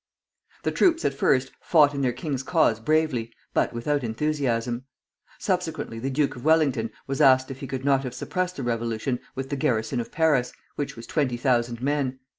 The troops at first fought in their king's cause bravely, but without enthusiasm. Subsequently the Duke of Wellington was asked if he could not have suppressed the revolution with the garrison of Paris, which was twenty thousand men.